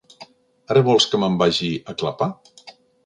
Ara vols que me'n vagi a clapar?